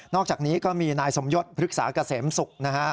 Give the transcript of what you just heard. นอกจากนี้ก็มีนายสมยศพฤกษากเศษมสุข